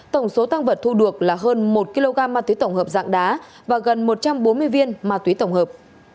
tổng số tăng vật thu được là hơn một kg ma túy tổng hợp dạng đá và gần một trăm bốn mươi viên ma túy tổng hợp